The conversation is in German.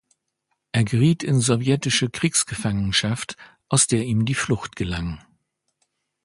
Er geriet in sowjetische Kriegsgefangenschaft, aus der ihm die Flucht gelang.